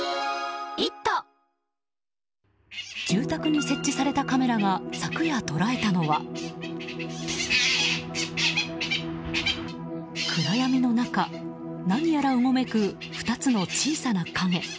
住宅に設置されたカメラが昨夜捉えたのは暗闇の中、何やらうごめく２つの小さな影。